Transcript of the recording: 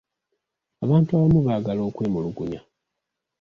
Abantu abamu baagala okwemulugunya.